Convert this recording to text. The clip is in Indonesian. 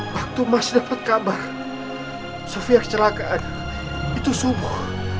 waktu mas dapet kabar sofia kecelakaan itu subuh